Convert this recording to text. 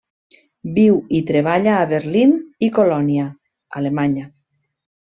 Viu i treballa a Berlín i Colònia, Alemanya.